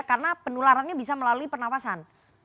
karena penularannya bisa melalui pernapasan